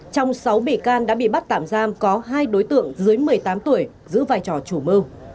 trong sáu bị can đã bị bắt tạm giam có hai đối tượng dưới một mươi tám tuổi giữ vai trò chủ mưu